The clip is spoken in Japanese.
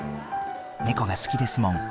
ネコが好きですもん。